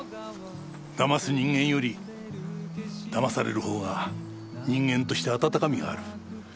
騙す人間より騙されるほうが人間として温かみがある。